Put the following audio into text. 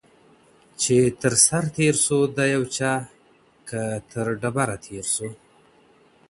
چي تر سر تېر سو د يو چا ، که تر ډبره تېر سو